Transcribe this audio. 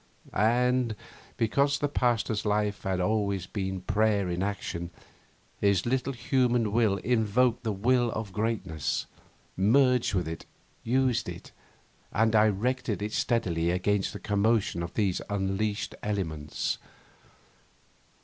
And, because the Pasteur's life had been always prayer in action, his little human will invoked the Will of Greatness, merged with it, used it, and directed it steadily against the commotion of these unleashed elements.